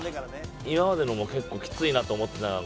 今までのも結構きついなと思ってた。